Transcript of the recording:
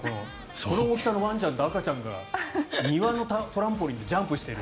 この大きさのワンちゃんと赤ちゃんが庭のトランポリンでジャンプしている。